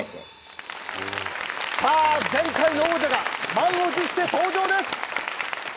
さあ前回の王者が満を持して登場です。